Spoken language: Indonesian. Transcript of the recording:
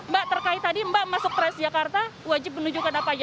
mbak terkait tadi mbak masuk transjakarta wajib menunjukkan apa aja